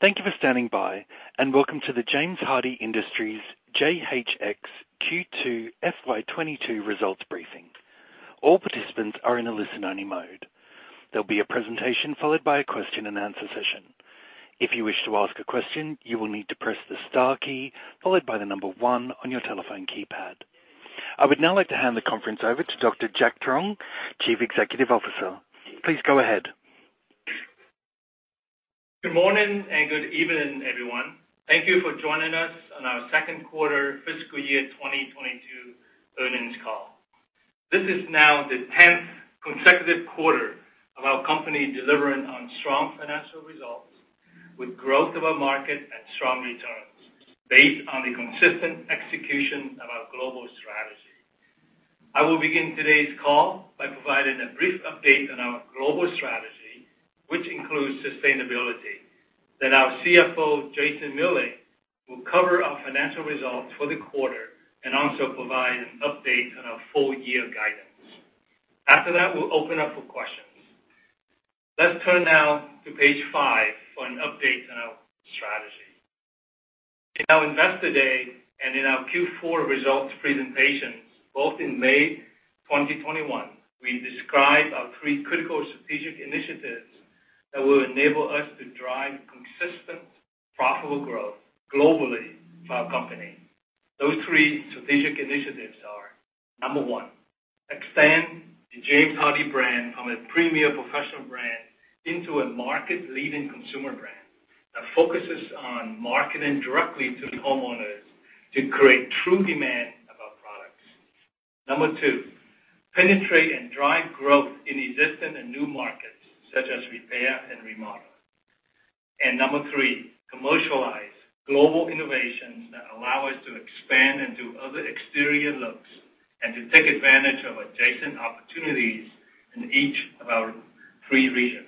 Thank you for standing by, and welcome to the James Hardie Industries JHX Q2 FY 2022 results briefing. All participants are in a listen-only mode. There'll be a presentation, followed by a question-and-answer session. If you wish to ask a question, you will need to press the star key, followed by the number one on your telephone keypad. I would now like to hand the conference over to Dr. Jack Truong, Chief Executive Officer. Please go ahead. Good morning, and good evening, everyone. Thank you for joining us on our second quarter fiscal year 2022 earnings call. This is now the tenth consecutive quarter of our company delivering on strong financial results, with growth of our market and strong returns, based on the consistent execution of our global strategy. I will begin today's call by providing a brief update on our global strategy, which includes sustainability. Then our CFO, Jason Miele, will cover our financial results for the quarter and also provide an update on our full year guidance. After that, we'll open up for questions. Let's turn now to page five for an update on our strategy. In our Investor Day and in our Q4 results presentations, both in May 2021, we described our three critical strategic initiatives that will enable us to drive consistent, profitable growth globally for our company. Those three strategic initiatives are, number one, expand the James Hardie brand from a premier professional brand into a market-leading consumer brand that focuses on marketing directly to homeowners to create true demand of our products. Number two, penetrate and drive growth in existing and new markets, such as repair and remodel. And number three, commercialize global innovations that allow us to expand into other exterior looks and to take advantage of adjacent opportunities in each of our three regions.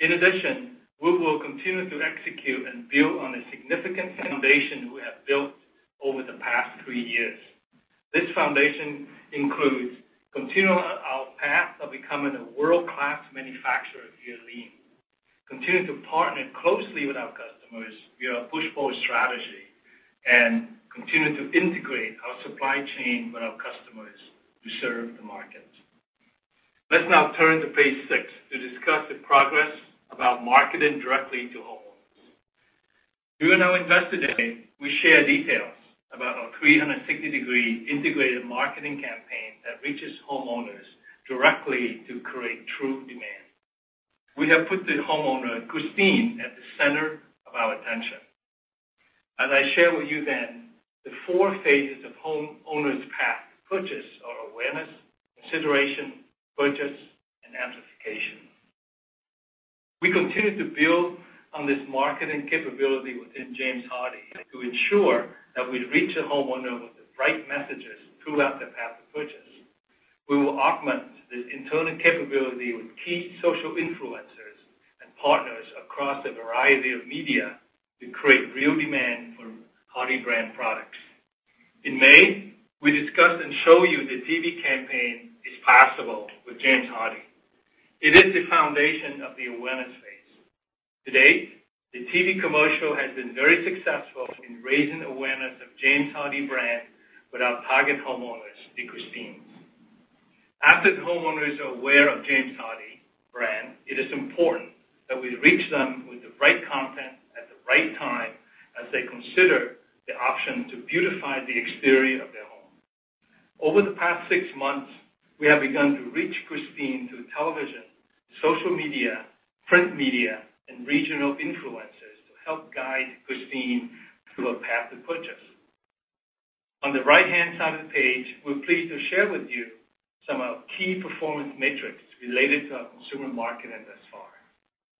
In addition, we will continue to execute and build on a significant foundation we have built over the past three years. This foundation includes continuing our path of becoming a world-class manufacturer via Lean, continuing to partner closely with our customers via our push-pull strategy, and continuing to integrate our supply chain with our customers to serve the market. Let's now turn to page six to discuss the progress about marketing directly to homeowners. During our Investor Day, we shared details about our 360-degree integrated marketing campaign that reaches homeowners directly to create true demand. We have put the homeowner, Christine, at the center of our attention. As I shared with you then, the four phases of homeowner's path to purchase are awareness, consideration, purchase, and amplification. We continue to build on this marketing capability within James Hardie to ensure that we reach a homeowner with the right messages throughout their path to purchase. We will augment this internal capability with key social influencers and partners across a variety of media to create real demand for Hardie brand products. In May, we discussed and showed you the TV campaign, "It's Possible with James Hardie." It is the foundation of the awareness phase. Today, the TV commercial has been very successful in raising awareness of Hardie brand with our target homeowners, the Christines. After the homeowners are aware of Hardie brand, it is important that we reach them with the right content at the right time as they consider the option to beautify the exterior of their home. Over the past six months, we have begun to reach Christine through television, social media, print media, and regional influencers to help guide Christine through a path to purchase. On the right-hand side of the page, we're pleased to share with you some of our key performance metrics related to our consumer market thus far.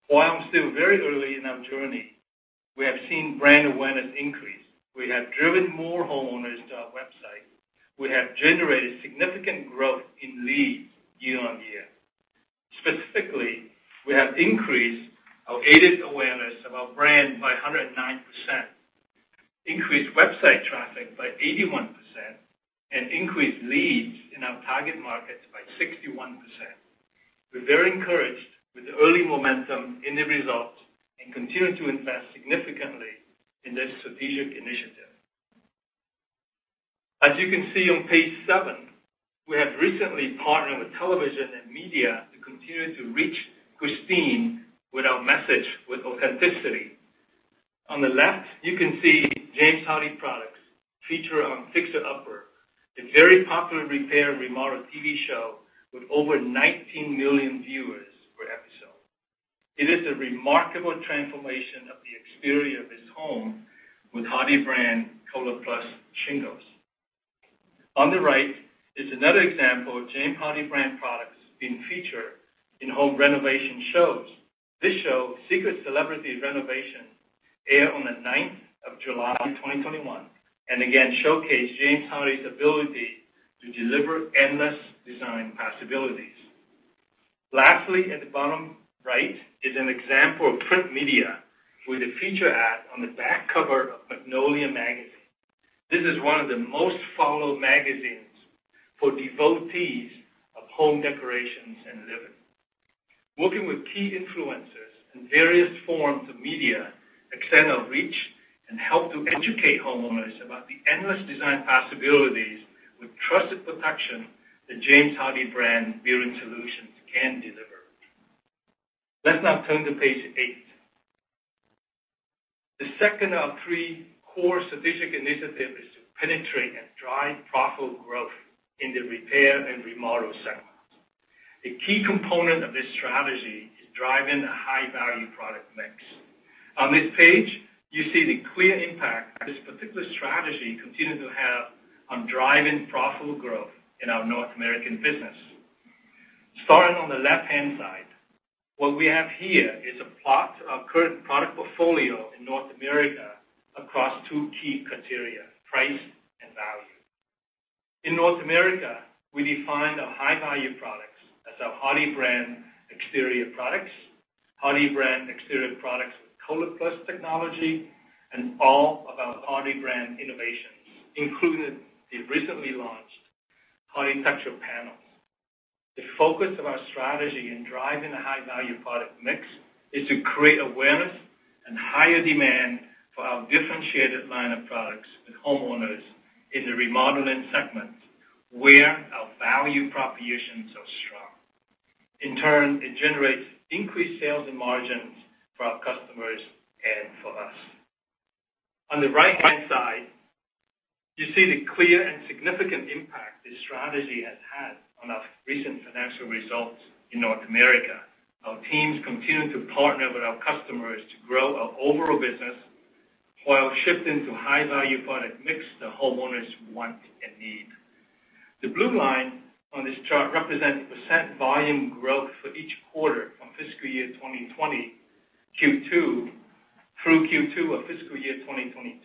While I'm still very early in our journey, we have seen brand awareness increase. We have driven more homeowners to our website. We have generated significant growth in leads year-on-year. Specifically, we have increased our aided awareness of our brand by 109%, increased website traffic by 81%, and increased leads in our target markets by 61%. We're very encouraged with the early momentum in the results and continue to invest significantly in this strategic initiative. As you can see on page seven, we have recently partnered with television and media to continue to reach Christine with our message with authenticity. On the left, you can see James Hardie products featured on Fixer Upper, a very popular repair and remodel TV show with over 19 million viewers per episode. It is a remarkable transformation of the exterior of this home with Hardie brand ColorPlus shingles. On the right is another example of James Hardie brand products being featured in home renovation shows. This show, Secret Celebrity Renovations, aired on the 9th of July 2021, and again, showcased James Hardie's ability to deliver endless design possibilities. Lastly, at the bottom right is an example of print media with a feature ad on the back cover of Magnolia Magazine. This is one of the most followed magazines for devotees of home decorations and living. Working with key influencers in various forms of media extend our reach and help to educate homeowners about the endless design possibilities with trusted protection the James Hardie brand building solutions can deliver. Let's now turn to page eight. The second of three core strategic initiative is to penetrate and drive profitable growth in the repair and remodel segment. A key component of this strategy is driving a high-value product mix. On this page, you see the clear impact this particular strategy continues to have on driving profitable growth in our North American business. Starting on the left-hand side, what we have here is a plot of current product portfolio in North America across two key criteria, price and value. In North America, we define our high-value products as our Hardie brand exterior products, Hardie brand exterior products with ColorPlus Technology, and all of our Hardie brand innovations, including the recently launched Hardie Texture Panels. The focus of our strategy in driving a high-value product mix is to create awareness and higher demand for our differentiated line of products with homeowners in the remodeling segment, where our value propositions are strong. In turn, it generates increased sales and margins for our customers and for us. On the right-hand side, you see the clear and significant impact this strategy has had on our recent financial results in North America. Our teams continue to partner with our customers to grow our overall business, while shifting to high-value product mix that homeowners want and need. The blue line on this chart represents % volume growth for each quarter from fiscal year 2020, Q2 through Q2 of fiscal year 2022.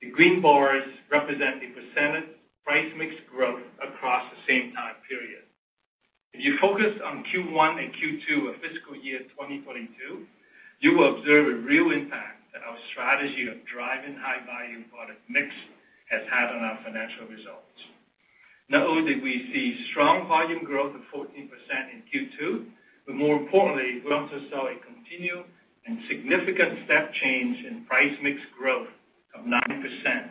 The green bars represent the % price mix growth across the same time period. If you focus on Q1 and Q2 of fiscal year 2022, you will observe a real impact that our strategy of driving high-value product mix has had on our financial results. Not only did we see strong volume growth of 14% in Q2, but more importantly, we also saw a continued and significant step change in price mix growth of 9%,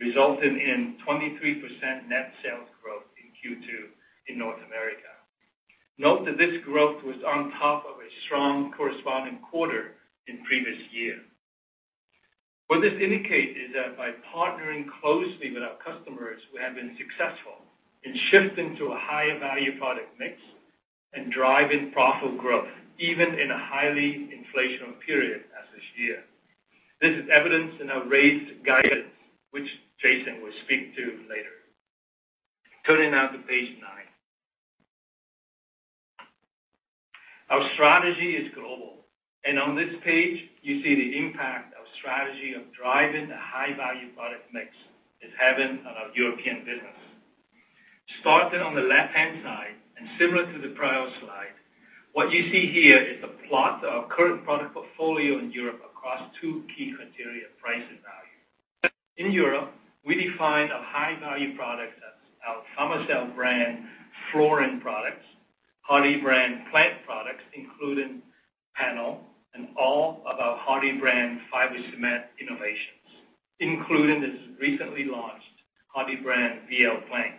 resulting in 23% net sales growth in Q2 in North America. Note that this growth was on top of a strong corresponding quarter in previous year. What this indicates is that by partnering closely with our customers, we have been successful in shifting to a higher-value product mix and driving profitable growth, even in a highly inflationary period as this year. This is evidenced in our raised guidance, which Jason will speak to later. Turning now to page nine. Our strategy is global, and on this page, you see the impact our strategy of driving the high-value product mix is having on our European business. Starting on the left-hand side, and similar to the prior slide, what you see here is a plot of our current product portfolio in Europe across two key criteria, price and value. In Europe, we define a high-value product as our Fermacell brand flooring products, Hardie brand plank products, including panel, and all of our Hardie brand fiber cement innovations, including this recently launched Hardie brand VL Plank.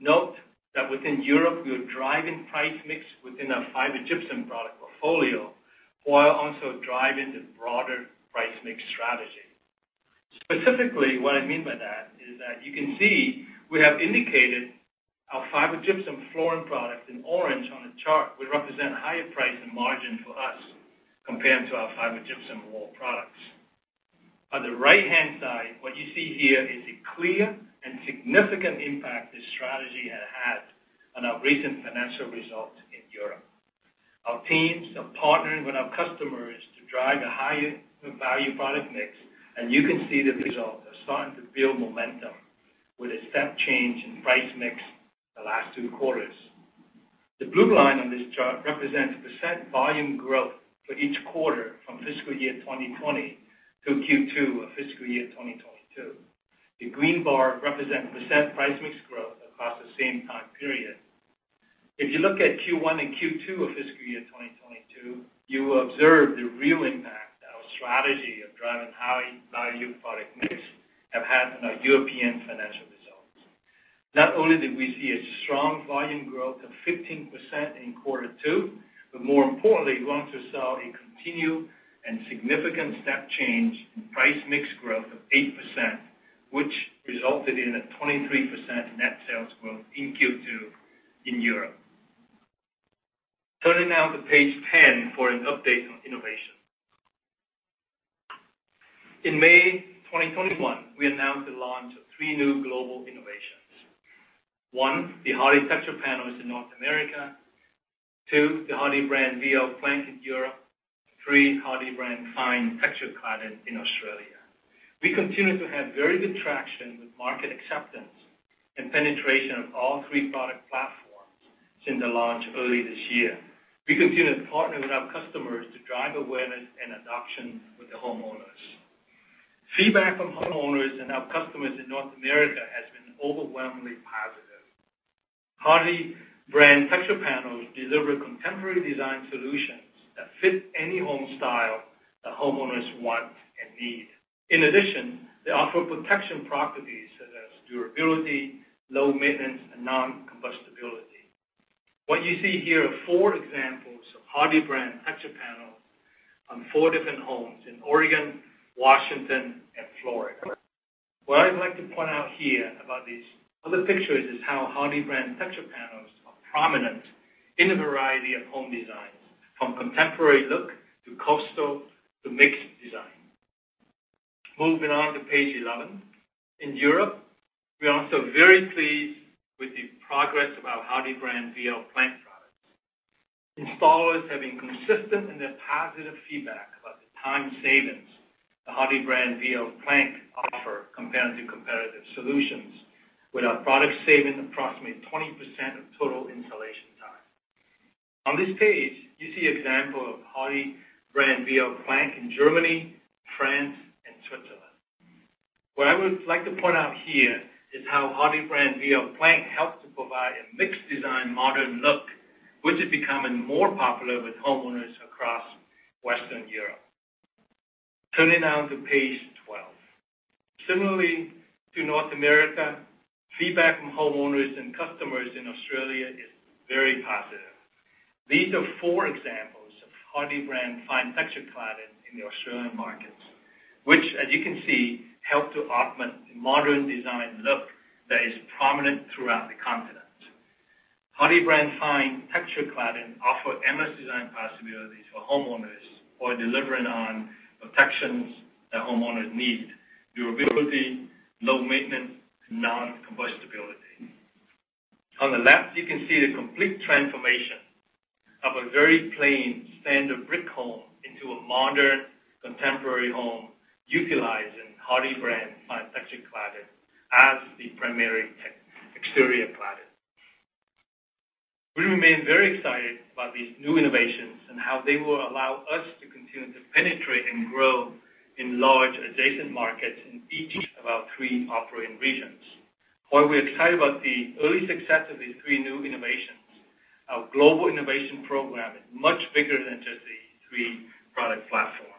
Note that within Europe, we are driving price mix within our fiber gypsum product portfolio, while also driving the broader price mix strategy. Specifically, what I mean by that is that you can see we have indicated our fiber gypsum flooring products in orange on the chart, which represent higher price and margin for us compared to our fiber gypsum wall products. On the right-hand side, what you see here is a clear and significant impact this strategy has had on our recent financial results in Europe. Our teams are partnering with our customers to drive a higher-value product mix, and you can see the results are starting to build momentum with a step change in price mix the last two quarters. The blue line on this chart represents volume growth % for each quarter from fiscal year 2020 to Q2 of fiscal year 2022. The green bar represent price mix growth % across the same time period. If you look at Q1 and Q2 of fiscal year 2022 you will observe the real impact our strategy of driving high-value product mix have had on our European financial results. Not only did we see a strong volume growth of 15% in quarter two, but more importantly, we also saw a continued and significant step change in price mix growth of 8%, which resulted in a 23% net sales growth in Q2 in Europe. Turning now to page 10 for an update on innovation. In May 2021, we announced the launch of three new global innovations. One, the Hardie Texture Panels in North America. Two, the Hardie brand VL Plank in Europe. Three, Hardie brand Fine Texture Cladding in Australia. We continue to have very good traction with market acceptance and penetration of all three product platforms since the launch early this year. We continue to partner with our customers to drive awareness and adoption with the homeowners... Feedback from homeowners and our customers in North America has been overwhelmingly positive. Hardie brand Texture Panels deliver contemporary design solutions that fit any home style that homeowners want and need. In addition, they offer protection properties such as durability, low maintenance, and non-combustibility. What you see here are four examples of Hardie brand Texture Panels on four different homes in Oregon, Washington, and Florida. What I would like to point out here about these other pictures is how Hardie brand Texture Panels are prominent in a variety of home designs, from contemporary look to coastal to mixed design. Moving on to page 11. In Europe, we are also very pleased with the progress of our Hardie brand VL Plank products. Installers have been consistent in their positive feedback about the time savings the Hardie brand VL Plank offer compared to competitive solutions, with our product saving approximately 20% of total installation time. On this page, you see example of Hardie brand VL Plank in Germany, France, and Switzerland. What I would like to point out here is how Hardie brand VL Plank helps to provide a mixed design, modern look, which is becoming more popular with homeowners across Western Europe. Turning now to page twelve. Similarly to North America, feedback from homeowners and customers in Australia is very positive. These are four examples of Hardie brand Fine Texture Cladding in the Australian markets, which, as you can see, help to augment the modern design look that is prominent throughout the continent. Hardie brand Fine Texture Cladding offer endless design possibilities for homeowners while delivering on protections that homeowners need: durability, low maintenance, non-combustibility. On the left, you can see the complete transformation of a very plain standard brick home into a modern, contemporary home, utilizing Hardie brand Fine Texture Cladding as the primary exterior cladding. We remain very excited about these new innovations and how they will allow us to continue to penetrate and grow in large adjacent markets in each of our three operating regions. While we're excited about the early success of these three new innovations, our global innovation program is much bigger than just these three product platforms.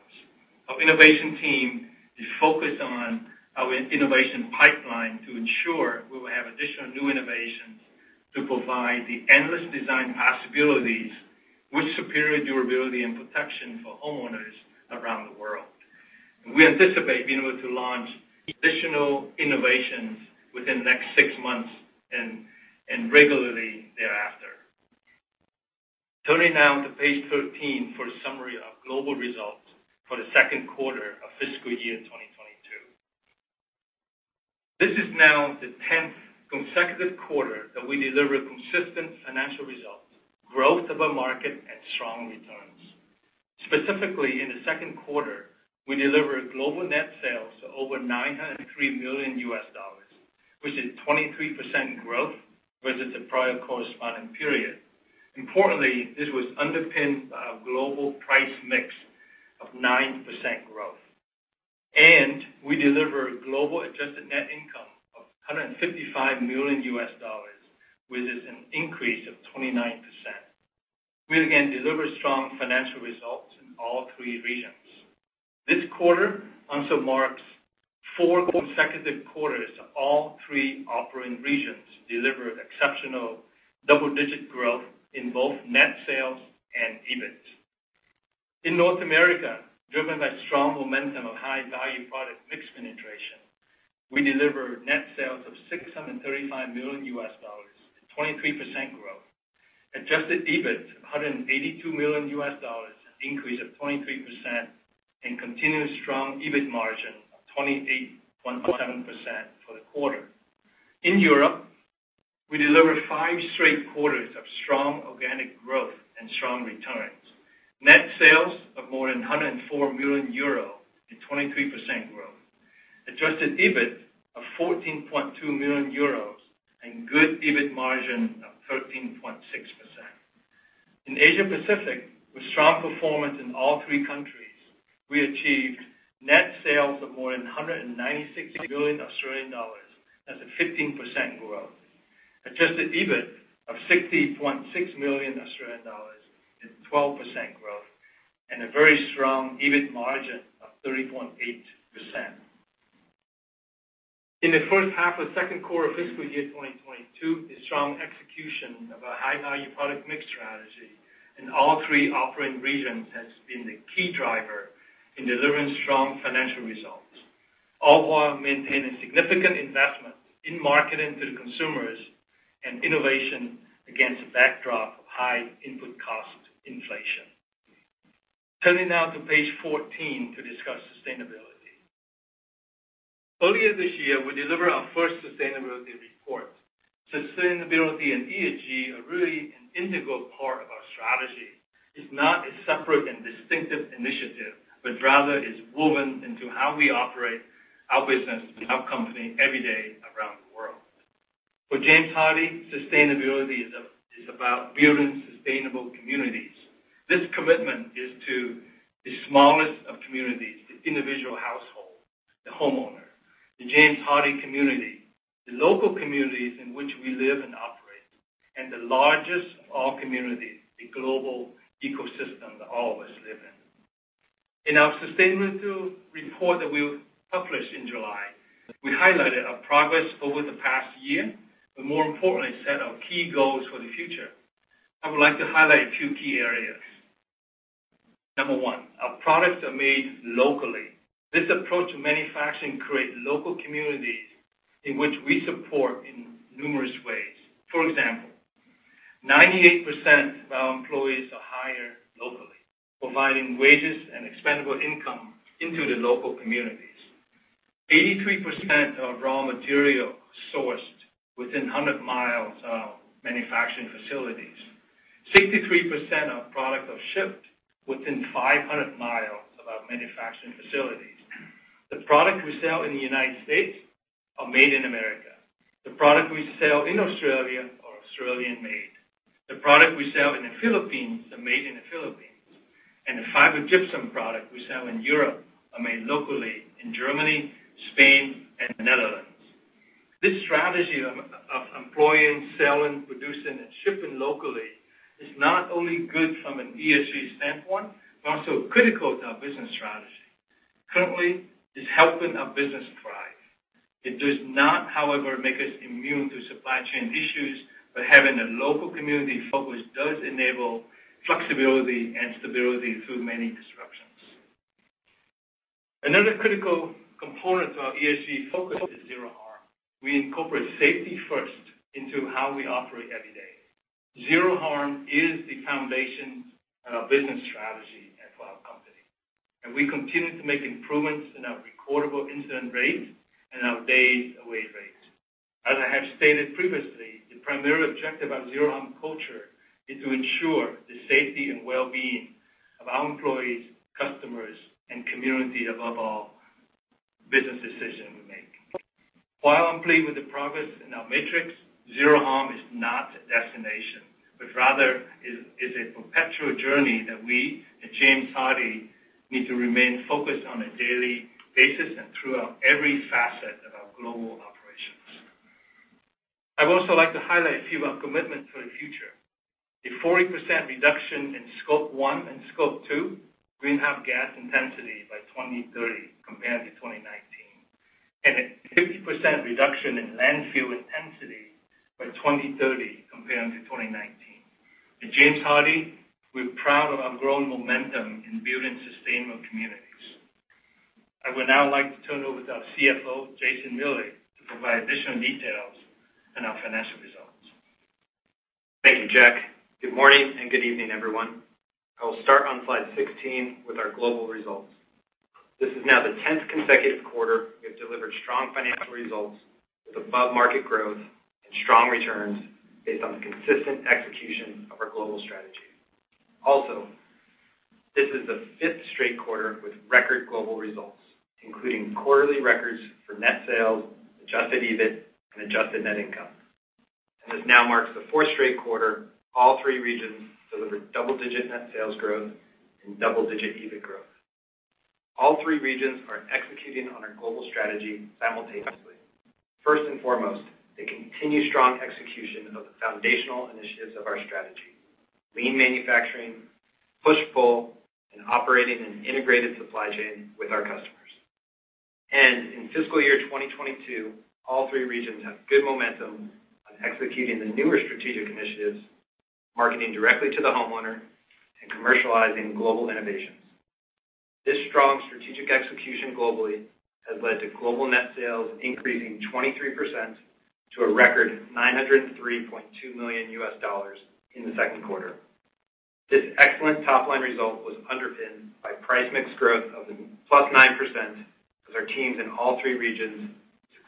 Our innovation team is focused on our innovation pipeline to ensure we will have additional new innovations to provide the endless design possibilities with superior durability and protection for homeowners around the world. We anticipate being able to launch additional innovations within the next six months, and regularly thereafter. Turning now to page 13 for a summary of global results for the second quarter of fiscal year 2022. This is now the 10th consecutive quarter that we deliver consistent financial results, growth of our market, and strong returns. Specifically, in the second quarter, we delivered global net sales of over $903 million, which is 23% growth versus the prior corresponding period. Importantly, this was underpinned by a global price mix of 9% growth. We delivered global adjusted net income of $155 million, which is an increase of 29%. We again delivered strong financial results in all three regions. This quarter also marks four consecutive quarters of all three operating regions delivered exceptional double-digit growth in both net sales and EBIT. In North America, driven by strong momentum of high-value product mix penetration, we delivered net sales of $635 million, 23% growth. Adjusted EBIT of $182 million, an increase of 23%, and continued strong EBIT margin of 28.7% for the quarter. In Europe, we delivered five straight quarters of strong organic growth and strong returns. Net sales of more than 104 million euro, a 23% growth. Adjusted EBIT of 14.2 million euros, and good EBIT margin of 13.6%. In Asia Pacific, with strong performance in all three countries, we achieved net sales of more than 196 million Australian dollars, that's a 15% growth. Adjusted EBIT of 60.6 million Australian dollars and 12% growth, and a very strong EBIT margin of 30.8%. In the first half of the second quarter of fiscal year 2022, the strong execution of our high-value product mix strategy in all three operating regions has been the key driver in delivering strong financial results, all while maintaining significant investment in marketing to the consumers and innovation against a backdrop of high input cost inflation. Turning now to page 14 to discuss sustainability. Earlier this year, we delivered our first sustainability report. Sustainability and ESG are really an integral part of our strategy. It's not a separate and distinctive initiative, but rather is woven into how we operate our business and our company every day around the world.... For James Hardie, sustainability is a about building sustainable communities. This commitment is to the smallest of communities, the individual household, the homeowner, the James Hardie community, the local communities in which we live and operate, and the largest of all communities, the global ecosystem that all of us live in. In our sustainability report that we published in July, we highlighted our progress over the past year, but more importantly, set our key goals for the future. I would like to highlight a few key areas. Number one, our products are made locally. This approach to manufacturing creates local communities in which we support in numerous ways. For example, 98% of our employees are hired locally, providing wages and disposable income into the local communities. 83% of raw material sourced within 100 miles of our manufacturing facilities. 63% of products are shipped within 500 miles of our manufacturing facilities. The products we sell in the United States are made in America. The products we sell in Australia are Australian-made. The products we sell in the Philippines are made in the Philippines, and the fiber gypsum product we sell in Europe are made locally in Germany, Spain, and the Netherlands. This strategy of employing, selling, producing, and shipping locally is not only good from an ESG standpoint, but also critical to our business strategy. Currently, it's helping our business thrive. It does not, however, make us immune to supply chain issues, but having a local community focus does enable flexibility and stability through many disruptions. Another critical component to our ESG focus is Zero Harm. We incorporate safety first into how we operate every day. Zero Harm is the foundation of our business strategy and for our company, and we continue to make improvements in our recordable incident rates and our days away rates. As I have stated previously, the primary objective of our Zero Harm culture is to ensure the safety and well-being of our employees, customers, and community above all business decision we make. While I'm pleased with the progress in our metrics, Zero Harm is not a destination, but rather is a perpetual journey that we at James Hardie need to remain focused on a daily basis and throughout every facet of our global operations. I'd also like to highlight a few of our commitments for the future. A 40% reduction in Scope 1 and Scope 2 greenhouse gas intensity by 2030, compared to 2019, and a 50% reduction in landfill intensity by 2030 compared to 2019. At James Hardie, we're proud of our growing momentum in building sustainable communities. I would now like to turn it over to our CFO, Jason Miele, to provide additional details on our financial results. Thank you, Jack. Good morning, and good evening, everyone. I will start on slide 16 with our global results. This is now the tenth consecutive quarter we have delivered strong financial results with above-market growth and strong returns based on the consistent execution of our global strategy. Also, this is the fifth straight quarter with record global results, including quarterly records for net sales, Adjusted EBIT, and adjusted net income, and this now marks the fourth straight quarter all three regions delivered double-digit net sales growth and double-digit EBIT growth. All three regions are executing on our global strategy simultaneously. First and foremost, the continued strong execution of the foundational initiatives of our strategy: lean manufacturing, push-pull, and operating an integrated supply chain with our customers. In fiscal year 2022, all three regions have good momentum on executing the newer strategic initiatives, marketing directly to the homeowner, and commercializing global innovations. This strong strategic execution globally has led to global net sales increasing 23% to a record $903.2 million in the second quarter. This excellent top-line result was underpinned by price mix growth of +9%, as our teams in all three regions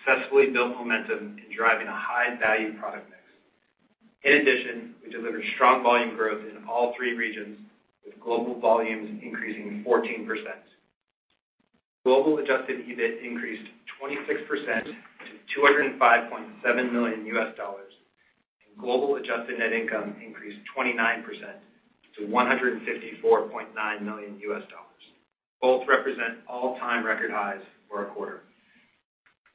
successfully built momentum in driving a high-value product mix. In addition, we delivered strong volume growth in all three regions, with global volumes increasing 14%. Global Adjusted EBIT increased 26% to $205.7 million, and global adjusted net income increased 29% to $154.9 million. Both represent all-time record highs for a quarter.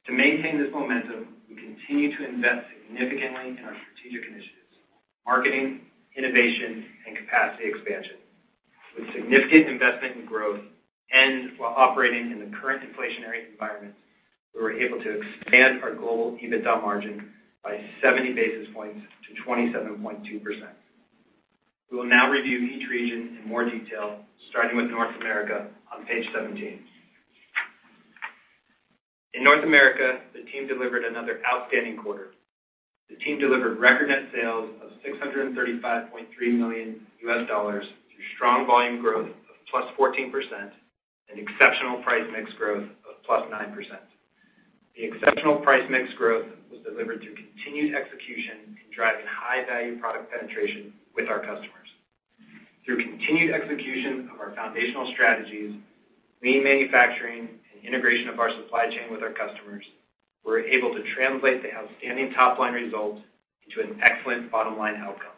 To maintain this momentum, we continue to invest significantly in our strategic initiatives: marketing, innovation, and capacity expansion. With significant investment in growth and while operating in the current inflationary environment, we were able to expand our global EBITDA margin by 70 basis points to 27.2%. We will now review each region in more detail, starting with North America on page 17. In North America, the team delivered another outstanding quarter. The team delivered record net sales of $635.3 million, through strong volume growth of +14% and exceptional price mix growth of +9%. The exceptional price mix growth was delivered through continued execution in driving high-value product penetration with our customers. Through continued execution of our foundational strategies, lean manufacturing, and integration of our supply chain with our customers, we're able to translate the outstanding top-line results into an excellent bottom-line outcome.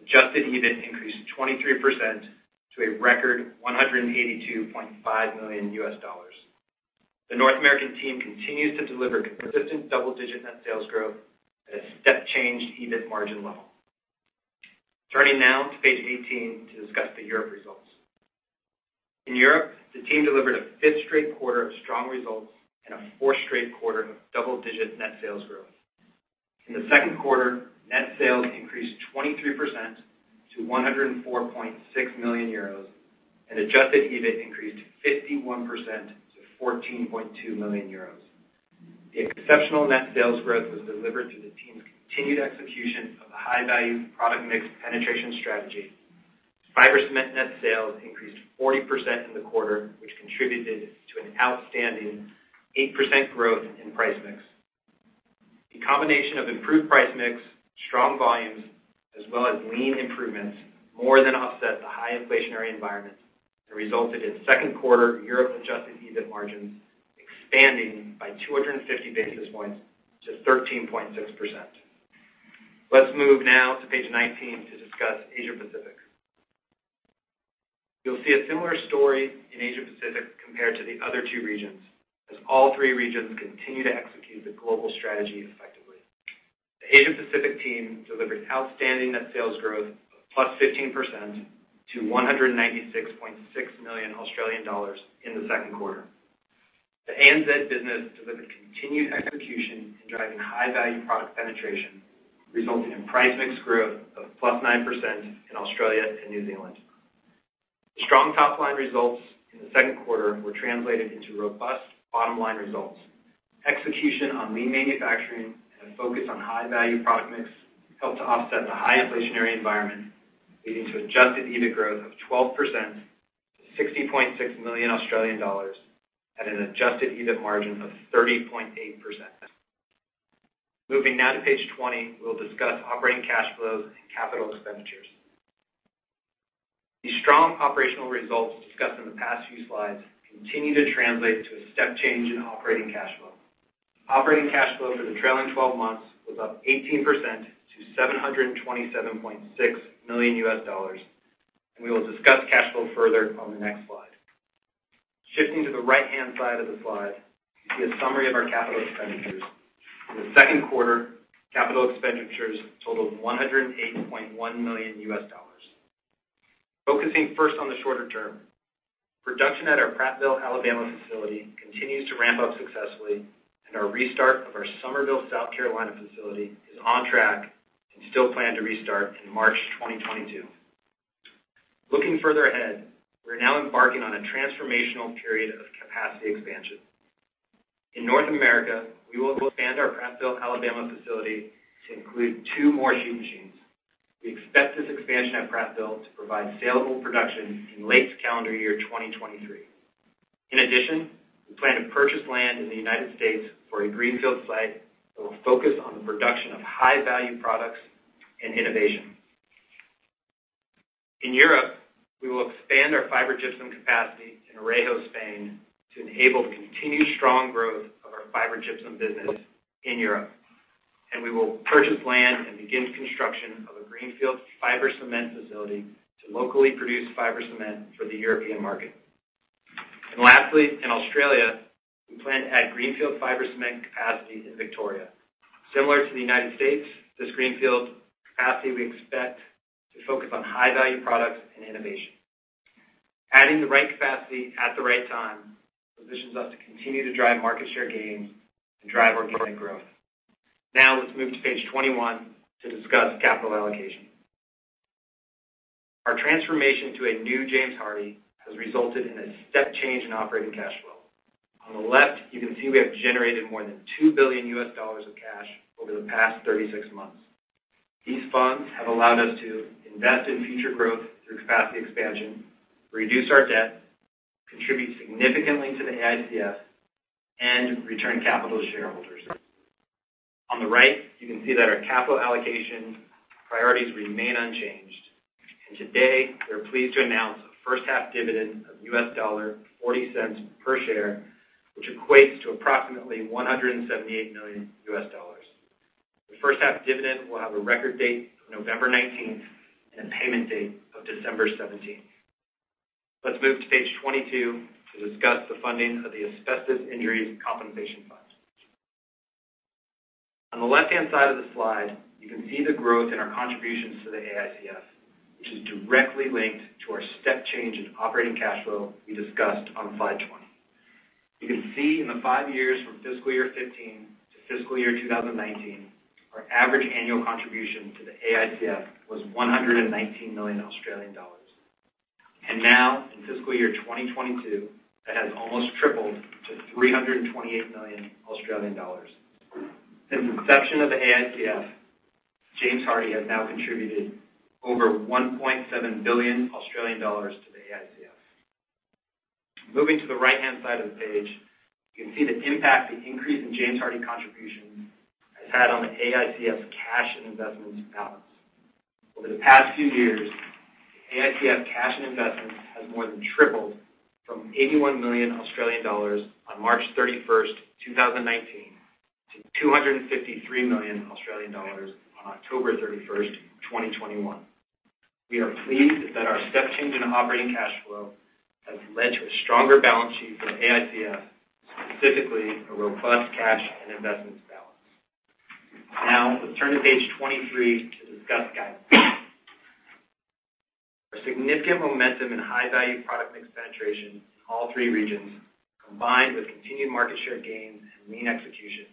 Adjusted EBIT increased 23% to a record $182.5 million. The North American team continues to deliver consistent double-digit net sales growth at a step change EBIT margin level. Turning now to page 18 to discuss the Europe results. In Europe, the team delivered a fifth straight quarter of strong results and a fourth straight quarter of double-digit net sales growth. In the second quarter, net sales increased 23% to 104.6 million euros, and Adjusted EBIT increased 51% to 14.2 million euros. The exceptional net sales growth was delivered through the team's continued execution of a high-value product mix penetration strategy. Fiber cement net sales increased 40% in the quarter, which contributed to an outstanding 8% growth in price mix. The combination of improved price mix, strong volumes, as well as lean improvements, more than offset the high inflationary environment and resulted in second quarter Europe Adjusted EBIT margins expanding by 250 basis points to 13.6%. Let's move now to page 19 to discuss Asia Pacific. You'll see a similar story in Asia Pacific compared to the other two regions, as all three regions continue to execute the global strategy effectively. The Asia Pacific team delivered outstanding net sales growth of +15% to 196.6 million Australian dollars in the second quarter. The ANZ business delivered continued execution in driving high-value product penetration, resulting in price mix growth of +9% in Australia and New Zealand. The strong top-line results in the second quarter were translated into robust bottom-line results. Execution on lean manufacturing and a focus on high-value product mix helped to offset the high inflationary environment, leading to Adjusted EBIT growth of 12% to 60.6 million Australian dollars at an Adjusted EBIT margin of 30.8%. Moving now to page 20, we'll discuss operating cash flows and capital expenditures. The strong operational results discussed in the past few slides continue to translate to a step change in operating cash flow. Operating cash flow for the trailing twelve months was up 18% to $727.6 million. We will discuss cash flow further on the next slide. Shifting to the right-hand side of the slide, you see a summary of our capital expenditures. In the second quarter, capital expenditures totaled $108.1 million. Focusing first on the shorter term, production at our Prattville, Alabama facility continues to ramp up successfully, and our restart of our Summerville, South Carolina facility is on track and still planned to restart in March 2022. Looking further ahead, we're now embarking on a transformational period of capacity expansion. In North America, we will expand our Prattville, Alabama facility to include two more sheet machines. We expect this expansion at Prattville to provide saleable production in late calendar year 2023. In addition, we plan to purchase land in the United States for a greenfield site that will focus on the production of high-value products and innovation. In Europe, we will expand our fiber gypsum capacity in Orejo, Spain, to enable continued strong growth of our fiber gypsum business in Europe. And we will purchase land and begin construction of a greenfield fiber cement facility to locally produce fiber cement for the European market. And lastly, in Australia, we plan to add greenfield fiber cement capacity in Victoria. Similar to the United States, this greenfield capacity we expect to focus on high-value products and innovation. Adding the right capacity at the right time positions us to continue to drive market share gains and drive organic growth. Now, let's move to page 21 to discuss capital allocation. Our transformation to a new James Hardie has resulted in a step change in operating cash flow. On the left, you can see we have generated more than $2 billion of cash over the past 36 months. These funds have allowed us to invest in future growth through capacity expansion, reduce our debt, contribute significantly to the AICF, and return capital to shareholders. On the right, you can see that our capital allocation priorities remain unchanged, and today, we're pleased to announce a first-half dividend of $0.40 per share, which equates to approximately $178 million. The first-half dividend will have a record date of November 19th and a payment date of December 17th. Let's move to page 22 to discuss the funding of the Asbestos Injuries Compensation Fund. On the left-hand side of the slide, you can see the growth in our contributions to the AICF, which is directly linked to our step change in operating cash flow we discussed on slide 20. You can see in the five years from fiscal year 2015 to fiscal year 2019, our average annual contribution to the AICF was 119 million Australian dollars. Now, in fiscal year 2022, that has almost tripled to 328 million Australian dollars. Since inception of the AICF, James Hardie has now contributed over 1.7 billion Australian dollars to the AICF. Moving to the right-hand side of the page, you can see the impact the increase in James Hardie contribution has had on the AICF's cash and investments balance. Over the past few years, the AICF cash and investments has more than tripled from 81 million Australian dollars on March 31st, 2019, to 253 million Australian dollars on October 31st, 2021. We are pleased that our step change in operating cash flow has led to a stronger balance sheet for AICF, specifically a robust cash and investments balance. Now, let's turn to page 23 to discuss guidance. A significant momentum in high value product mix penetration in all three regions, combined with continued market share gains and Lean execution,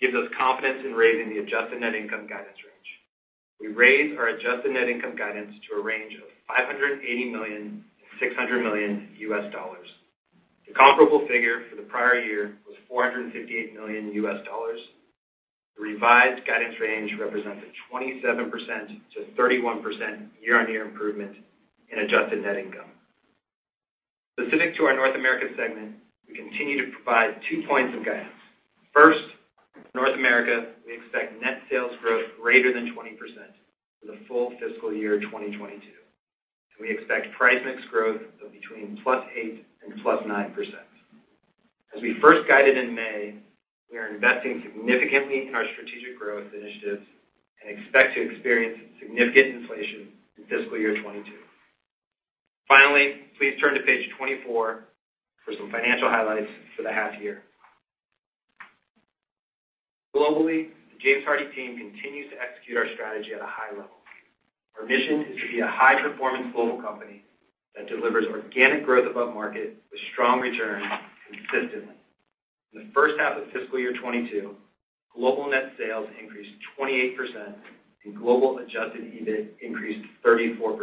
gives us confidence in raising the adjusted net income guidance range. We raised our adjusted net income guidance to a range of $580 million-$600 million. The comparable figure for the prior year was $458 million. The revised guidance range represents a 27%-31% year-on-year improvement in adjusted net income. Specific to our North America segment, we continue to provide two points of guidance. First, North America, we expect net sales growth greater than 20% for the full fiscal year 2022. We expect price mix growth of between +8% and +9%. As we first guided in May, we are investing significantly in our strategic growth initiatives and expect to experience significant inflation in fiscal year 2022. Finally, please turn to page 24 for some financial highlights for the half year. Globally, the James Hardie team continues to execute our strategy at a high level. Our mission is to be a high-performance global company that delivers organic growth above market with strong returns consistently. In the first half of fiscal year 2022, global net sales increased 28% and global Adjusted EBIT increased 34%.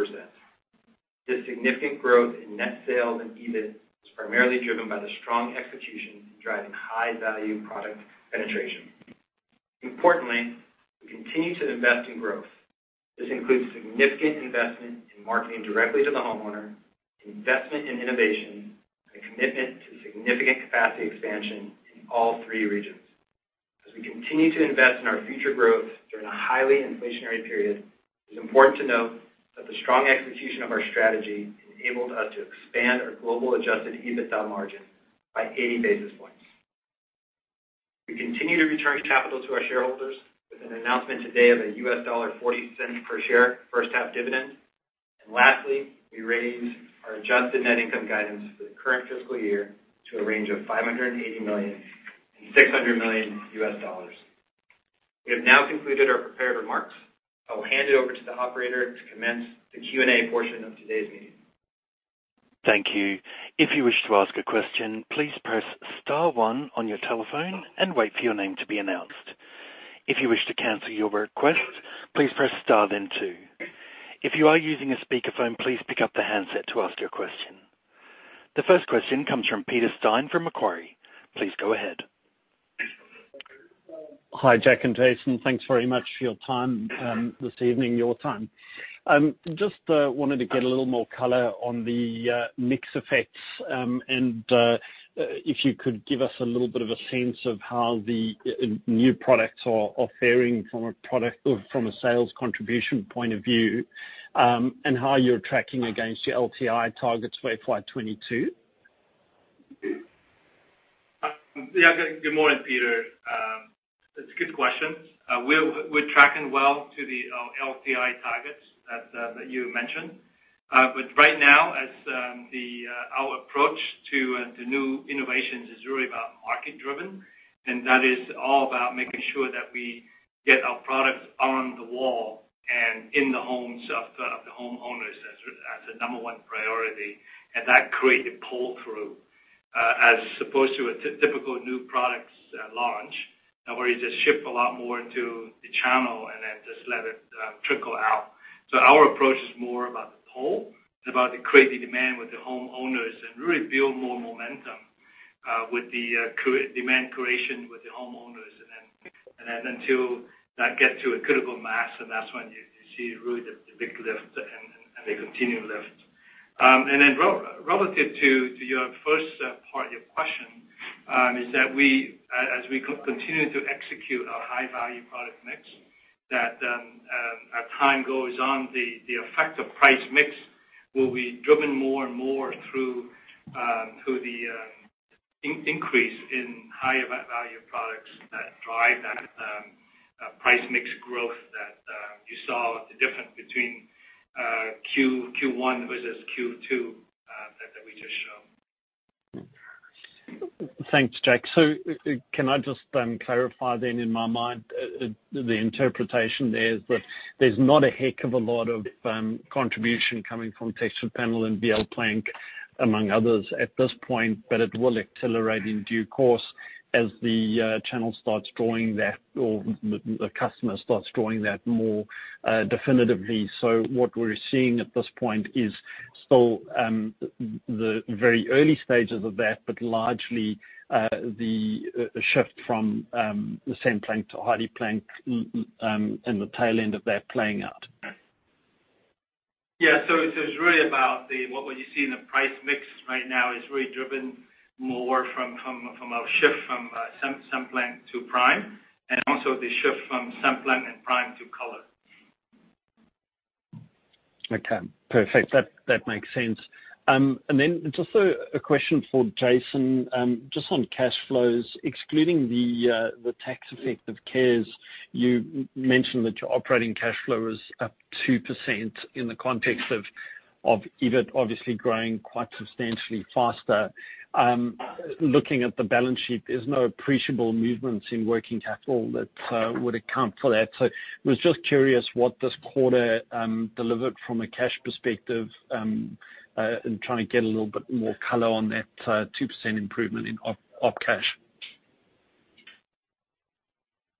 This significant growth in net sales and EBIT is primarily driven by the strong execution in driving high value product penetration. Importantly, we continue to invest in growth. This includes significant investment in marketing directly to the homeowner, investment in innovation, and commitment to significant capacity expansion in all three regions. As we continue to invest in our future growth during a highly inflationary period, it's important to note that the strong execution of our strategy enabled us to expand our global Adjusted EBITDA margin by 80 basis points. We continue to return capital to our shareholders with an announcement today of a $0.40 per share first half dividend. And lastly, we raised our Adjusted Net Income guidance for the current fiscal year to a range of $580 million-$600 million. We have now concluded our prepared remarks. I will hand it over to the operator to commence the Q&A portion of today's meeting. Thank you. If you wish to ask a question, please press star one on your telephone and wait for your name to be announced. If you wish to cancel your request, please press star then two. If you are using a speakerphone, please pick up the handset to ask your question. The first question comes from Peter Steyn from Macquarie. Please go ahead. Hi, Jack and Jason. Thanks very much for your time this evening, your time. Just wanted to get a little more color on the mix effects, and if you could give us a little bit of a sense of how the new products are faring from a product or from a sales contribution point of view, and how you're tracking against your LTI targets for FY 2022? Yeah, good morning, Peter. That's a good question. We're tracking well to the LTI targets that you mentioned. But right now, our approach to new innovations is really about market driven, and that is all about making sure that we get our products on the wall and in the homes of the homeowners as the number one priority, and that create the pull-through, as opposed to a typical new products launch, where you just ship a lot more into the channel and then just let it trickle out. So our approach is more about the pull, about to create the demand with the homeowners and really build more momentum with the demand creation with the homeowners, and then until that get to a critical mass, and that's when you see really the big lift and the continued lift, and then relative to your first part of your question, is that we as we continue to execute our high value product mix, that as time goes on, the effect of price mix will be driven more and more through the increase in higher value products that drive that price mix growth that you saw the difference between Q1 versus Q2 that we just showed. Thanks, Jack. So can I just clarify then in my mind the interpretation there is that there's not a heck of a lot of contribution coming from Hardie Texture Panels and Hardie VL Plank, among others, at this point, but it will accelerate in due course as the channel starts drawing that or the customer starts drawing that more definitively. So what we're seeing at this point is still the very early stages of that, but largely the shift from Cemplank to HardiePlank and the tail end of that playing out? Yeah, so it's really about the, what you see in the price mix right now is really driven more from our shift from Cemplank to Prime, and also the shift from Cemplank and Prime to Color. Okay, perfect. That makes sense. And then just a question for Jason, just on cash flows, excluding the tax effect of CARES, you mentioned that your operating cash flow is up 2% in the context of EBIT, obviously growing quite substantially faster. Looking at the balance sheet, there's no appreciable movements in working capital that would account for that. So I was just curious what this quarter delivered from a cash perspective, in trying to get a little bit more color on that 2% improvement in op cash.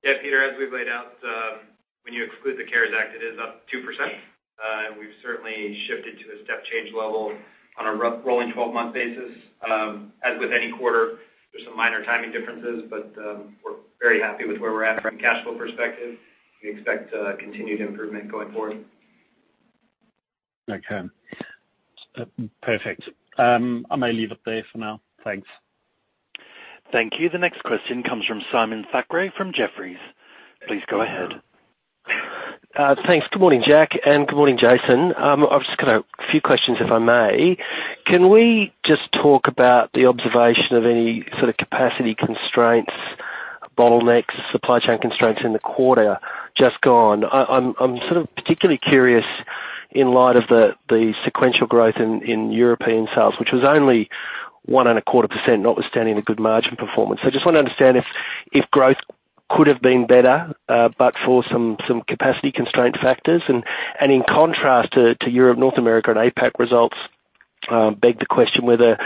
Yeah, Peter, as we've laid out, when you exclude the CARES Act, it is up 2%. And we've certainly shifted to a step change level on a rolling twelve-month basis. As with any quarter, there's some minor timing differences, but, we're very happy with where we're at from a cash flow perspective. We expect continued improvement going forward. Okay. Perfect. I may leave it there for now. Thanks. Thank you. The next question comes from Simon Thackray, from Jefferies. Please go ahead. Thanks. Good morning, Jack, and good morning, Jason. I've just got a few questions, if I may. Can we just talk about the observation of any sort of capacity constraints, bottlenecks, supply chain constraints in the quarter just gone? I'm sort of particularly curious in light of the sequential growth in European sales, which was only 1.25%, notwithstanding the good margin performance. I just want to understand if growth could have been better, but for some capacity constraint factors, and in contrast to Europe, North America, and APAC results, beg the question whether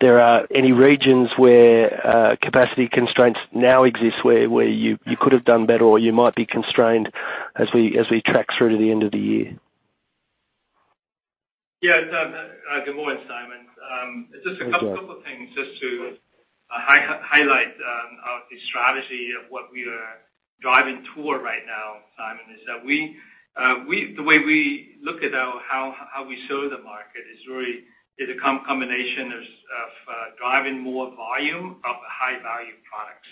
there are any regions where capacity constraints now exist, where you could have done better or you might be constrained as we track through to the end of the year. Yeah, good morning, Simon. Just a couple- Thanks, Jack. One of the things just to highlight the strategy of what we are driving toward right now, Simon, is that the way we look at our, how we serve the market is really a combination of driving more volume of high-value products.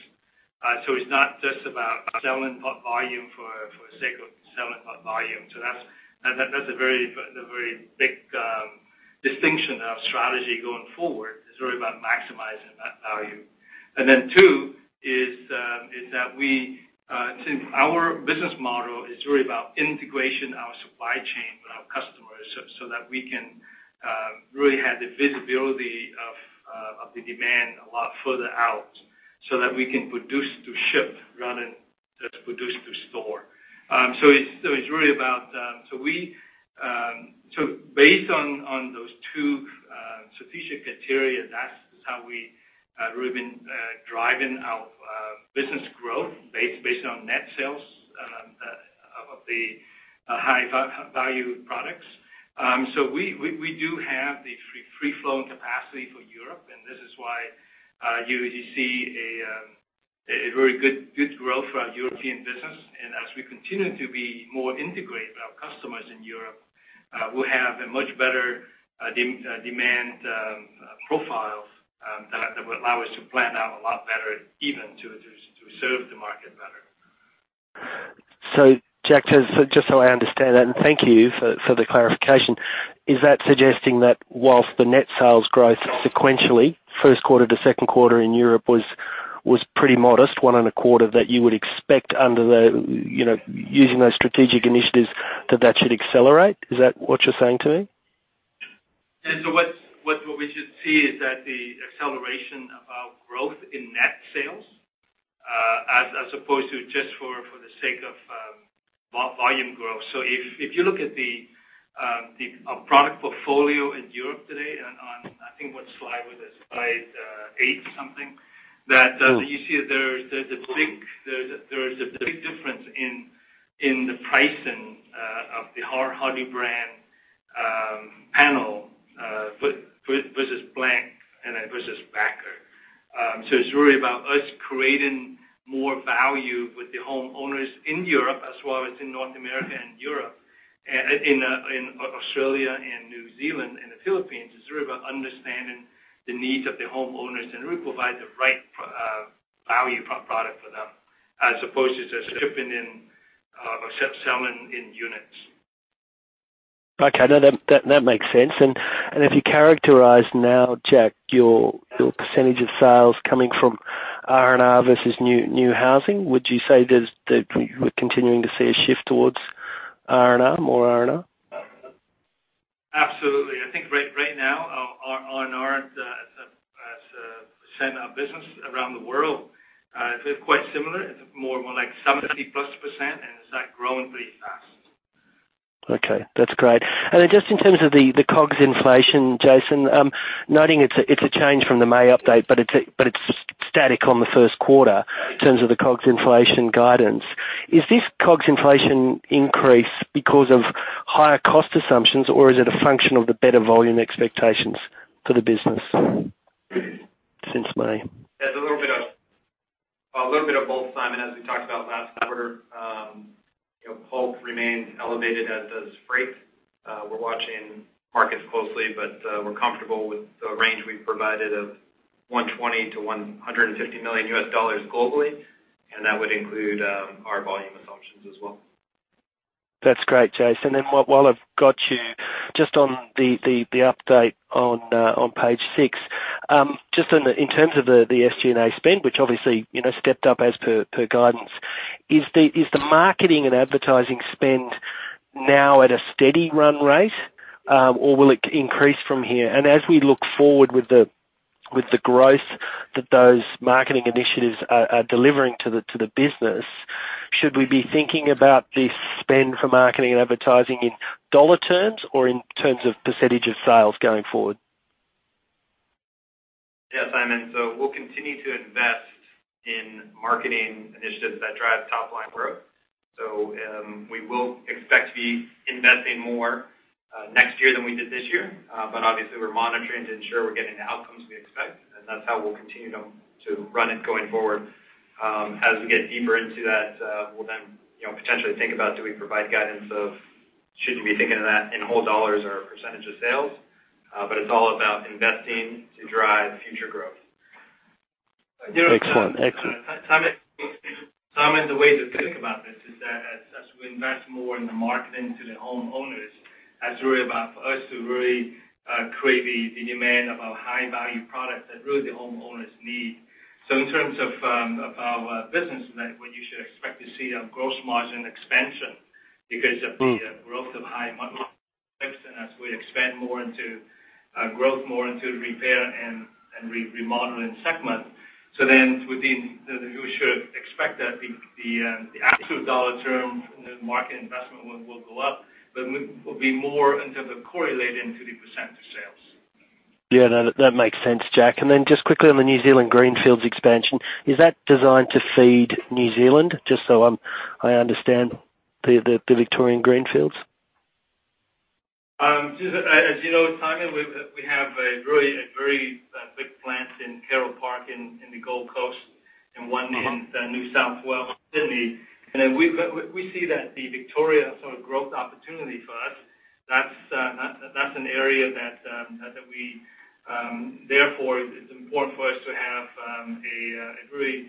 So it's not just about selling volume for the sake of selling volume. So that's a very big distinction of strategy going forward, is really about maximizing that value. And then, two, is that we since our business model is really about integrating our supply chain with our customers, so that we can really have the visibility of the demand a lot further out, so that we can produce to ship rather than just produce to store. So it's really about. So based on those two strategic criteria, that's how we really been driving our business growth based on net sales of the high value products. So we do have the free flowing capacity for Europe, and this is why you see a very good growth for our European business. And as we continue to be more integrated with our customers in Europe, we'll have a much better demand profile that will allow us to plan out a lot better, even to serve the market better. So Jack, just so I understand that, and thank you for the clarification. Is that suggesting that while the net sales growth sequentially, first quarter to second quarter in Europe was pretty modest, 1.25%, that you would expect under the, you know, using those strategic initiatives, that that should accelerate? Is that what you're saying to me? And so what we should see is that the acceleration of our growth in net sales, as opposed to just for the sake of volume growth. So if you look at our product portfolio in Europe today, and on I think what slide was it? Slide eight or something, that Mm. You see there's a big difference in the pricing of the Hardie brand panel versus Plank and then versus Backer. So it's really about us creating more value with the homeowners in Europe, as well as in North America and Europe. In Australia and New Zealand and the Philippines, it's really about understanding the needs of the homeowners and really provide the right value product for them, as opposed to just shipping in or selling in units. Okay, no, that makes sense. And if you characterize now, Jack, your percentage of sales coming from R&R versus new housing, would you say that we're continuing to see a shift towards R&R, more R&R? Absolutely. I think, right now, our R&R as a percent of business around the world is quite similar. More like 70%+, and it's like growing pretty fast. Okay, that's great. And then just in terms of the COGS inflation, Jason, noting it's a change from the May update, but it's static on the first quarter in terms of the COGS inflation guidance. Is this COGS inflation increase because of higher cost assumptions, or is it a function of the better volume expectations for the business since May? That's a little bit of-... A little bit of both, Simon, as we talked about last quarter, you know, pulp remains elevated, as does freight. We're watching markets closely, but we're comfortable with the range we've provided of $120 million-$150 million globally, and that would include our volume assumptions as well. That's great, Jason. And then while I've got you, just on the update on page six, just on the in terms of the SG&A spend, which obviously, you know, stepped up as per guidance. Is the marketing and advertising spend now at a steady run rate, or will it increase from here? And as we look forward with the growth that those marketing initiatives are delivering to the business, should we be thinking about this spend for marketing and advertising in dollar terms or in terms of percentage of sales going forward? Yeah, Simon. So we'll continue to invest in marketing initiatives that drive top-line growth. So, we will expect to be investing more next year than we did this year. But obviously, we're monitoring to ensure we're getting the outcomes we expect, and that's how we'll continue to run it going forward. As we get deeper into that, we'll then, you know, potentially think about doing provide guidance of should we be thinking of that in whole dollars or percentage of sales? But it's all about investing to drive future growth. Excellent, excellent. Simon, the way to think about this is that as we invest more in the marketing to the homeowners, that's really about for us to really create the demand of our high-value products that really the homeowners need. So in terms of our business mix, what you should expect to see a gross margin expansion, because of- Mm. The growth of high margin, and as we expand more into growth, more into repair and remodeling segment. So then within, you should expect that the absolute dollar term market investment will go up, but we will be more in terms of correlating to the percentage sales. Yeah, that makes sense, Jack. And then just quickly on the New Zealand greenfield expansion, is that designed to feed New Zealand? Just so I'm—I understand the Victorian greenfield. Just as you know, Simon, we have a really very big plant in Carole Park, in the Gold Coast, and one- Uh-huh. in New South Wales, Sydney. And then we see that the Victoria sort of growth opportunity for us, that's an area that we... Therefore, it's important for us to have a really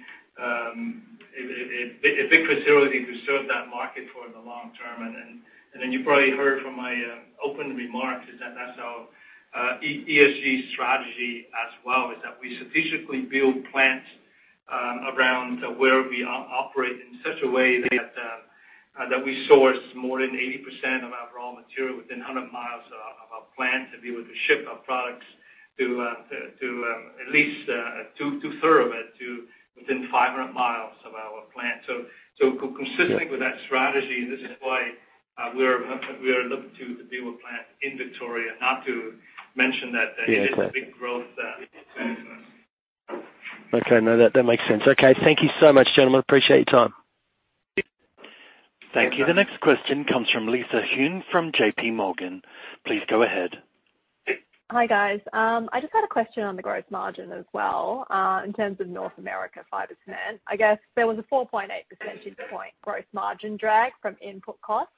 big facility to serve that market for the long term. And then you probably heard from my opening remarks, that's our ESG strategy as well, we strategically build plants around where we operate in such a way that we source more than 80% of our raw material within 100 miles of our plant, to be able to ship our products to at least two-thirds of it to within 500 miles of our plant. Consistent with that strategy, and this is why we are looking to build a plant in Victoria. Not to mention that- Yeah, clear. It's a big growth area for us. Okay, no, that, that makes sense. Okay, thank you so much, gentlemen. Appreciate your time. Thank you. Thank you. The next question comes from Lisa Huynh, from J.P. Morgan. Please go ahead. Hi, guys. I just had a question on the growth margin as well, in terms of North America Fiber Cement. I guess there was a 4.8 percentage point growth margin drag from input costs,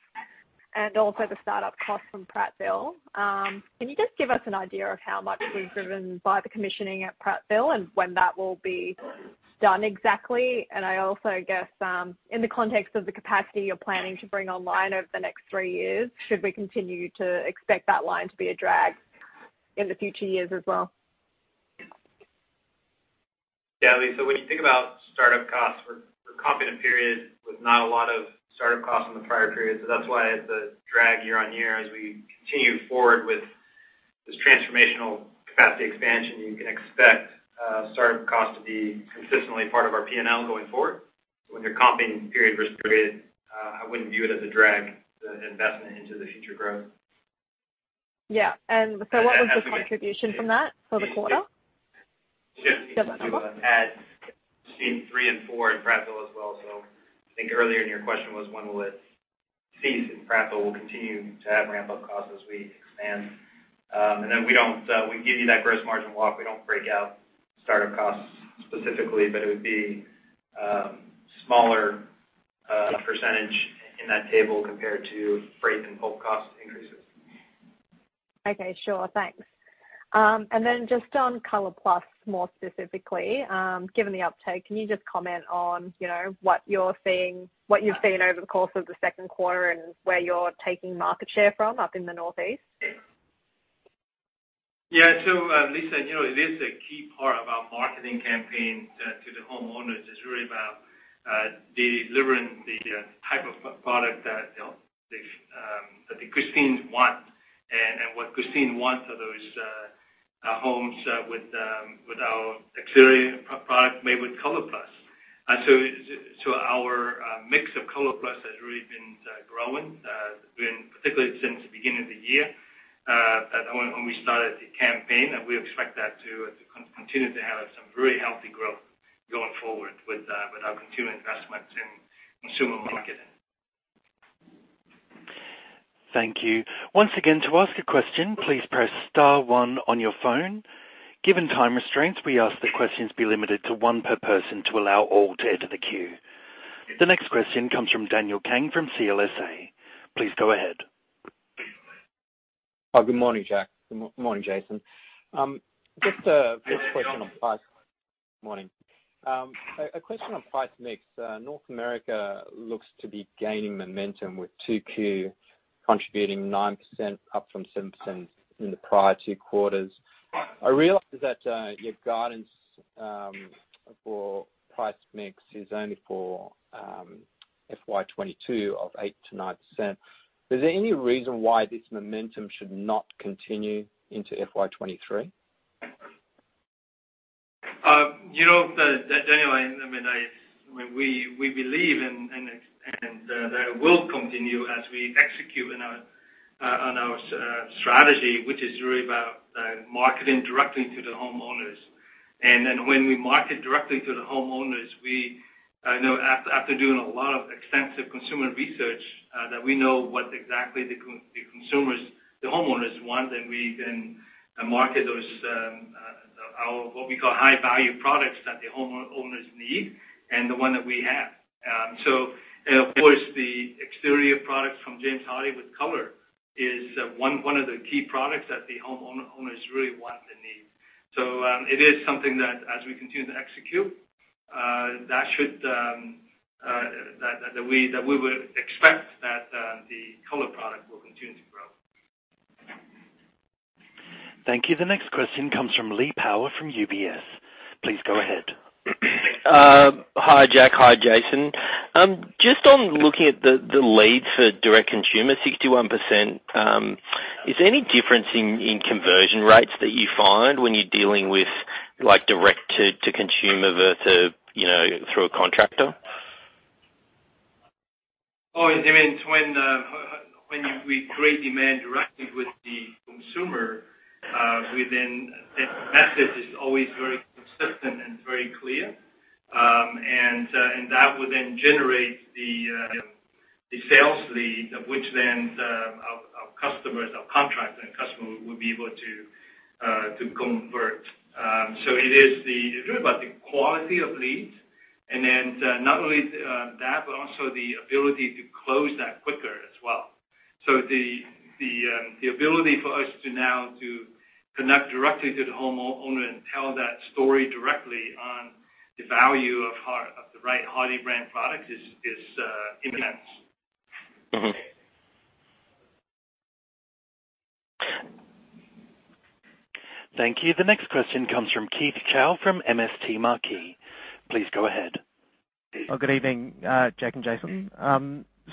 and also the start-up costs from Prattville. Can you just give us an idea of how much was driven by the commissioning at Prattville, and when that will be done exactly? And I also guess, in the context of the capacity you're planning to bring online over the next three years, should we continue to expect that line to be a drag in the future years as well? Yeah, Lisa, when you think about start-up costs, we're comping a period with not a lot of start-up costs in the prior period, so that's why it's a drag year-on-year. As we continue forward with this transformational capacity expansion, you can expect start-up costs to be consistently part of our P&L going forward. When you're comping period versus period, I wouldn't view it as a drag, the investment into the future growth. Yeah. And so what was the contribution from that for the quarter? Do you have that number? Add stream three and four in Prattville as well. So I think earlier in your question was, when will it cease in Prattville? We'll continue to have ramp-up costs as we expand. And then we don't, we give you that gross margin walk. We don't break out start-up costs specifically, but it would be smaller percentage in that table compared to freight and pulp cost increases. Okay, sure. Thanks, and then just on ColorPlus, more specifically, given the uptake, can you just comment on, you know, what you're seeing, what you've seen over the course of the second quarter, and where you're taking market share from up in the Northeast? Yeah. So, Lisa, you know, it is a key part of our marketing campaign to the homeowners. It's really about delivering the type of product that, you know, that the Christines want. And what Christine wants are those homes with our exterior product made with ColorPlus. And so our mix of ColorPlus has really been growing, particularly since the beginning of the year, when we started the campaign. And we expect that to continue to have some very healthy growth going forward with our continued investments in consumer market awareness. Thank you. Once again, to ask a question, please press star one on your phone. Given time restraints, we ask that questions be limited to one per person to allow all to enter the queue. The next question comes from Daniel Kang from CLSA. Please go ahead. Hi, good morning, Jack. Good morning, Jason. First question on price. Morning. A question on price mix. North America looks to be gaining momentum with 2Q, contributing 9%, up from 7% in the prior two quarters. I realize that your guidance for price mix is only for FY 2022 of 8%-9%. Is there any reason why this momentum should not continue into FY 2023? You know, Daniel, I mean, we believe and that it will continue as we execute on our strategy, which is really about marketing directly to the homeowners. And then when we market directly to the homeowners, we know after doing a lot of extensive consumer research that we know what exactly the consumers, the homeowners want, and we then market those our what we call high value products that the homeowners need and the one that we have. So, and of course, the exterior products from James Hardie with color is one of the key products that the homeowners really want and need. So, it is something that as we continue to execute, that we would expect that the color product will continue to grow. Thank you. The next question comes from Lee Power, from UBS. Please go ahead. Hi, Jack. Hi, Jason. Just on looking at the lead for direct consumer, 61%, is there any difference in conversion rates that you find when you're dealing with, like, direct to consumer versus, you know, through a contractor? Oh, you mean when we create demand directly with the consumer, we then the message is always very consistent and very clear. And that would then generate the sales lead, of which then our customers, our contractor and customer would be able to convert. So it's really about the quality of leads, and then not only that, but also the ability to close that quicker as well. So the ability for us to now to connect directly to the homeowner and tell that story directly on the value of our of the right Hardie brand product is immense. Mm-hmm. Thank you. The next question comes from Keith Chau from MST Marquee. Please go ahead. Oh, good evening, Jack and Jason.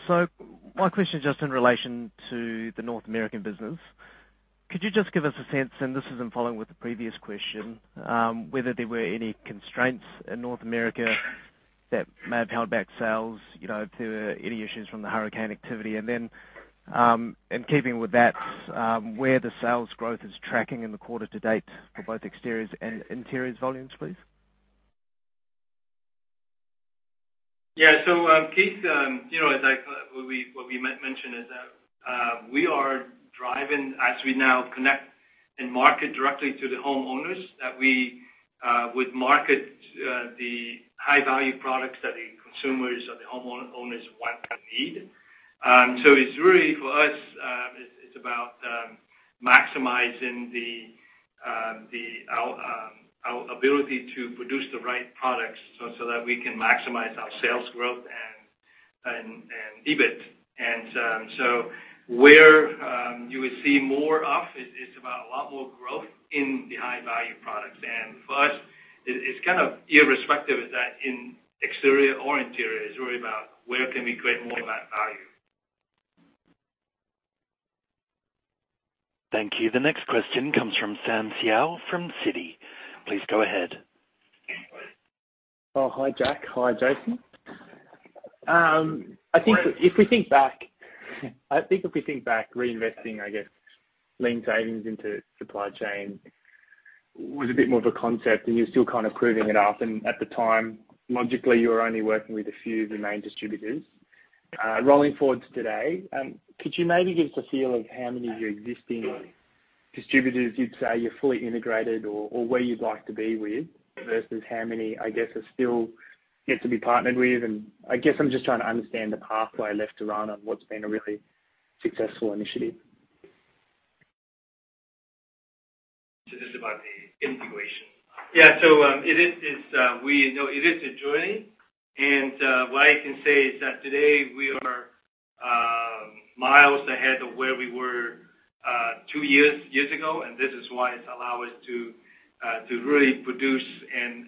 So my question is just in relation to the North American business. Could you just give us a sense, and this is in following with the previous question, whether there were any constraints in North America that may have held back sales, you know, through any issues from the hurricane activity? And then, in keeping with that, where the sales growth is tracking in the quarter to date for both exteriors and interiors volumes, please? Yeah. So, Keith, you know, as we mentioned is that we are driving as we now connect and market directly to the homeowners, that we would market the high value products that the consumers or the homeowners want and need. So it's really for us, it's about maximizing our ability to produce the right products, so that we can maximize our sales growth and EBIT. And so where you would see more of it, it's about a lot more growth in the high value products. And for us, it's kind of irrespective, is that in exterior or interior, it's really about where can we create more of that value? Thank you. The next question comes from Sam Seow, from Citi. Please go ahead. Oh, hi, Jack. Hi, Jason. I think if we think back, reinvesting, I guess, Lean savings into supply chain was a bit more of a concept, and you're still kind of proving it up. And at the time, logically, you were only working with a few of the main distributors. Rolling forward to today, could you maybe give us a feel of how many of your existing distributors you'd say you're fully integrated or where you'd like to be with, versus how many, I guess, are still yet to be partnered with? And I guess I'm just trying to understand the pathway left to run on what's been a really successful initiative. This is about the integration. Yeah. It is a journey, and what I can say is that today we are miles ahead of where we were two years ago, and this is why it allow us to really produce and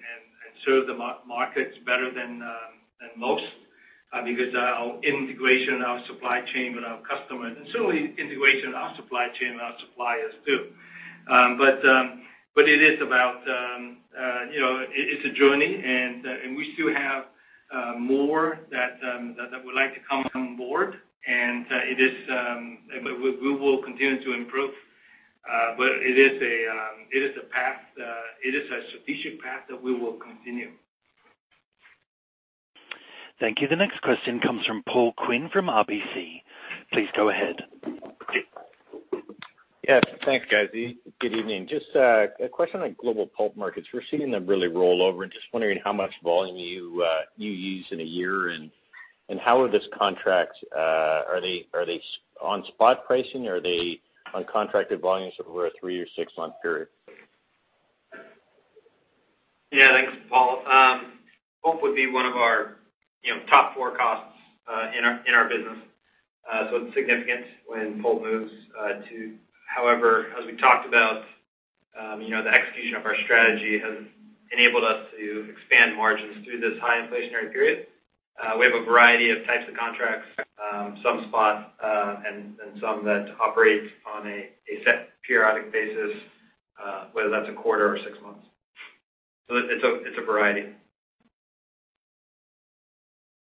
serve the markets better than most, because our integration, our supply chain with our customers, and certainly integration, our supply chain, our suppliers, too. But it is about, you know, it's a journey, and we still have more that would like to come on board. It is, but we will continue to improve, but it is a path, it is a strategic path that we will continue. Thank you. The next question comes from Paul Quinn, from RBC. Please go ahead. Yes, thanks, guys. Good evening. Just a question on global pulp markets. We're seeing them really roll over and just wondering how much volume you use in a year, and how are those contracts, are they on spot pricing, or are they on contracted volumes over a three or six-month period? Yeah, thanks, Paul. Pulp would be one of our, you know, top four costs in our business. So it's significant when pulp moves to. However, as we talked about, you know, the execution of our strategy has enabled us to expand margins through this high inflationary period. We have a variety of types of contracts, some spot, and some that operate on a set periodic basis, whether that's a quarter or six months. So it's a variety.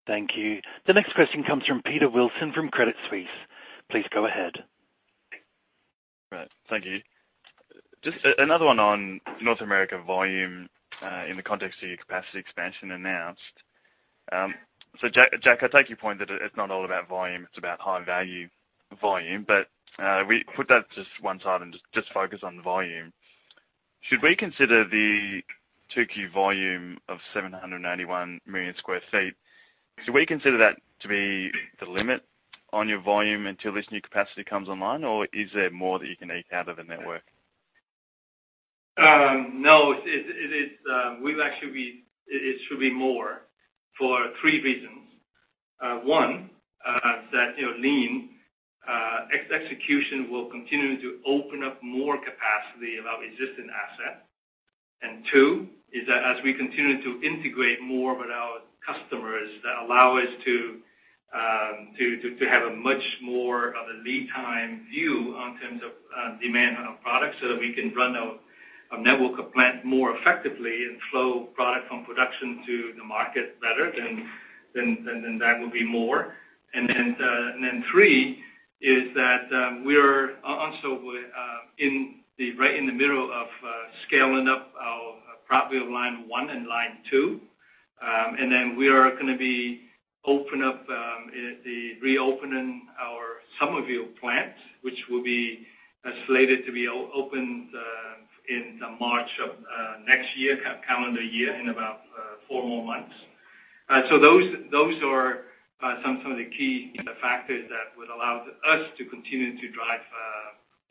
Thank you. The next question comes from Peter Wilson, from Credit Suisse. Please go ahead. Right. Thank you. Just another one on North America volume in the context of your capacity expansion announced. So Jack, I take your point that it, it's not all about volume, it's about high value volume. But we put that just one side and just focus on volume. Should we consider the 2Q volume of 791 million sq ft, should we consider that to be the limit on your volume until this new capacity comes online, or is there more that you can eke out of the network? No, it is, we've actually, it should be more for three reasons. One, that, you know, Lean execution will continue to open up more capacity of our existing asset. And two, is that as we continue to integrate more with our customers, that allow us to have a much more of a lead time view on terms of demand on our products, so that we can run our a network of plant more effectively and flow product from production to the market better, then that will be more. And then three, is that we're also in the right in the middle of scaling up our Prattville line one and line two. And then we are gonna be open up the reopening our Summerville plant, which will be slated to be opened in the March of next year, calendar year, in about four more months. So those are some of the key factors that would allow us to continue to drive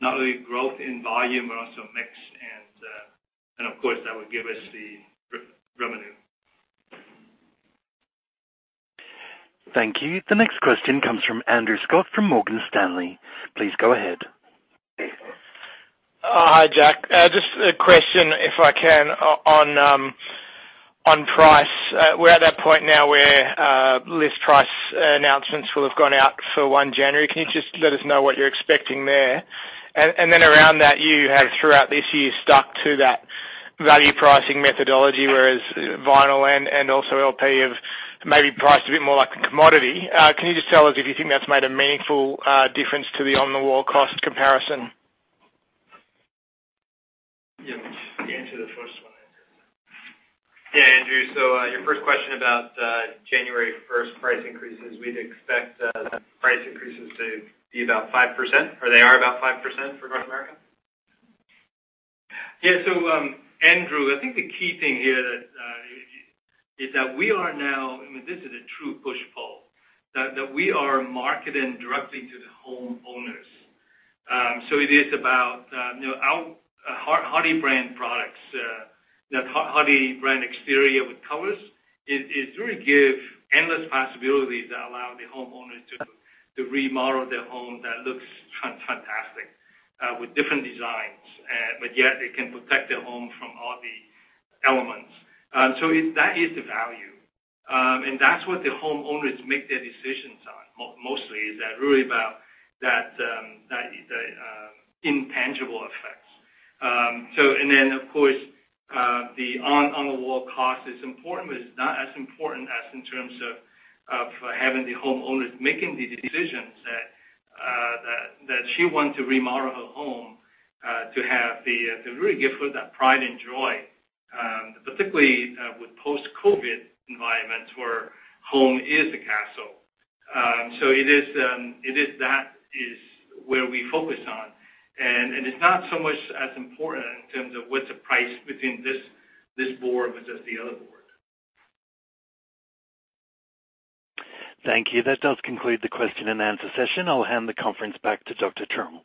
not only growth in volume, but also mix, and of course, that would give us the revenue. Thank you. The next question comes from Andrew Scott, from Morgan Stanley. Please go ahead. Hi, Jack. Just a question, if I can, on price. We're at that point now where list price announcements will have gone out for 1 January. Can you just let us know what you're expecting there? And then around that, you have throughout this year stuck to that value pricing methodology, whereas vinyl and also LP have maybe priced a bit more like a commodity. Can you just tell us if you think that's made a meaningful difference to the on-the-wall cost comparison? Yeah, answer the first one, Andrew. Yeah, Andrew, so, your first question about January 1st price increases, we'd expect price increases to be about 5%, or they are about 5% for North America. Yeah, so, Andrew, I think the key thing here that is that we are now. I mean, this is a true push-pull, that we are marketing directly to the homeowners. So it is about, you know, our Hardie brand products, that Hardie brand exterior with colors. It really give endless possibilities that allow the homeowners to remodel their home that looks fantastic with different designs, but yet it can protect their home from all the elements. So that is the value. And that's what the homeowners make their decisions on, mostly, is that really about that, the intangible effects. So and then, of course, the on-the-wall cost is important, but it's not as important as in terms of having the homeowners making the decisions that she want to remodel her home, to have the to really give her that pride and joy, particularly with post-COVID environments, where home is a castle. So it is, that is where we focus on, and it's not so much as important in terms of what the price between this board versus the other board. Thank you. That does conclude the question and answer session. I'll hand the conference back to Dr. Truong.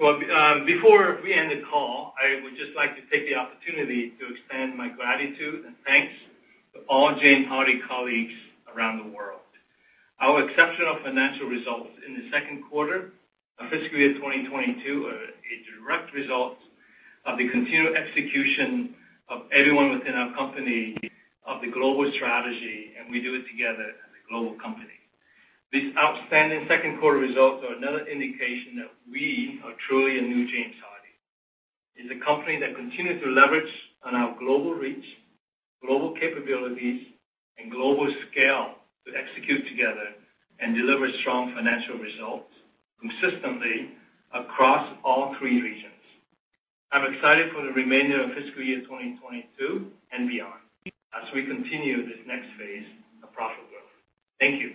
Well, before we end the call, I would just like to take the opportunity to extend my gratitude and thanks to all James Hardie colleagues around the world. Our exceptional financial results in the second quarter of fiscal year 2022 are a direct result of the continued execution of everyone within our company of the global strategy, and we do it together as a global company. These outstanding second quarter results are another indication that we are truly a new James Hardie. It's a company that continues to leverage on our global reach, global capabilities, and global scale, to execute together and deliver strong financial results consistently across all three regions. I'm excited for the remainder of fiscal year 2022 and beyond, as we continue this next phase of profit growth. Thank you.